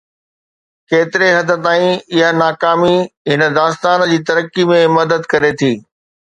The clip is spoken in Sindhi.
ڪيتري حد تائين اها ناڪامي هن داستان جي ترقي ۾ مدد ڪري ٿي؟